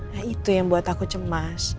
nah itu yang buat aku cemas